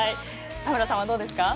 田村さん、どうですか。